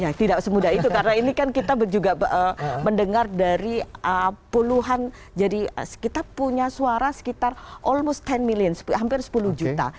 ya tidak semudah itu karena ini kan kita juga mendengar dari puluhan jadi kita punya suara sekitar all mustain millions hampir sepuluh juta